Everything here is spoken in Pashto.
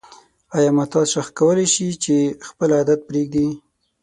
آیا معتاد شخص کولای شي چې خپل عادت پریږدي؟